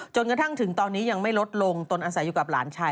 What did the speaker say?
จนกระทั่งถึงตอนนี้ยังไม่ลดลงตนอาศัยอยู่กับหลานชาย